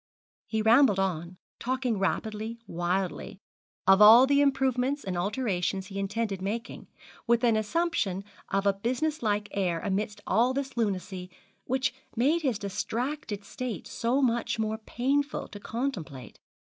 He rambled on, talking rapidly, wildly, of all the improvements and alterations he intended making, with an assumption of a business like air amidst all this lunacy, which made his distracted state so much the more painful to contemplate.